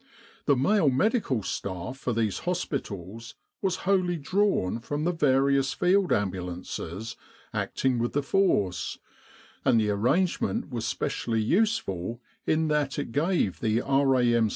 The male medical staff for these hospitals was wholly drawn from the various Field Ambulances acting with the Force; and the arrangement was specially useful in that it gave the R.A.M.